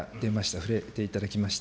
触れていただきました。